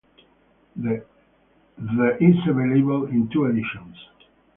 The is available in two editions.